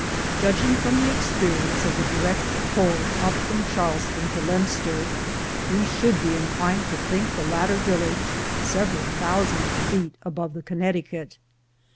Judging from the experience of the direct pull up from Charlestown to Lempster, we should be inclined to think the latter village several thou sand feet above the Connecticut.